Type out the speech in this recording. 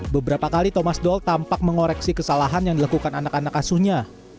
beberapa kali thomas doll tampak mengoreksi kesalahan yang dilakukan anak anak asuhnya